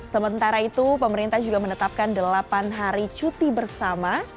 sementara itu pemerintah juga menetapkan delapan hari cuti bersama